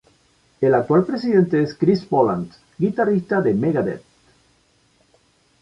El actual presidente es Chris Poland, guitarrista de "Megadeth".